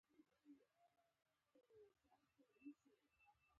د نورو مهاجرینو په منځ کې افغانان له ورایه پیژندل کیدل.